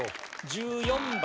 １４番。